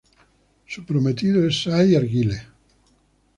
Su prometido es Sai Argyle.